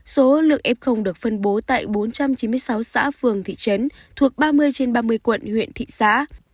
số lượng f được phân bố tại bốn trăm chín mươi sáu xã phường thị trấn thuộc ba mươi trên ba mươi quận huyện thị xã